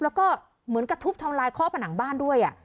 แล้วก็เหมือนกับทุบทำลายข้อผนังบ้านด้วย